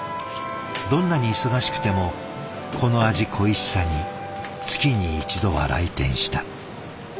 どんなに忙しくてもこの味恋しさに月に１度は来店した。